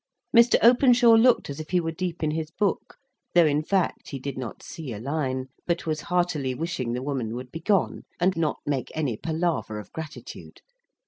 Mr. Openshaw looked as if he were deep in his book, though in fact he did not see a line; but was heartily wishing the woman would be gone, and not make any palaver of gratitude.